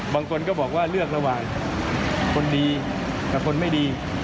บางคนก็บอกว่าเลือกระหว่างคนดีกับคนไม่ดี